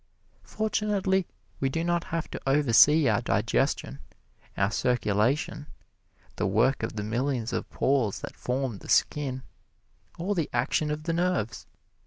Fortunately, we do not have to oversee our digestion, our circulation, the work of the millions of pores that form the skin, or the action of the nerves.